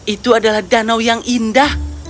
itu adalah danau yang indah